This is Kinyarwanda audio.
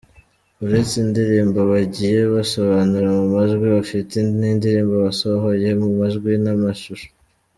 Uretse indirimbo bagiye basohora mu majwi, bafite n’indirimbo basohoye mu majwi n’amashusho.